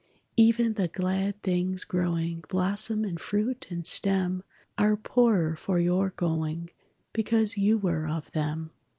Even the glad things growing, Blossom and fruit and stem, Are poorer for your going Because you were of them.